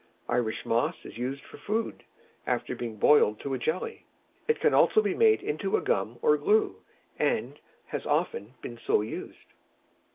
Irish Moss is used for food, after being boiled to a jelly. It can also be made into a gum or glue, and has often been so used.